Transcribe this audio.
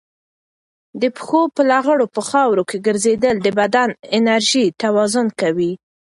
د پښو په لغړو په خاورو ګرځېدل د بدن انرژي توازن کوي.